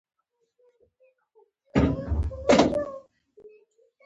ترټولو غوره ساز خندا ده.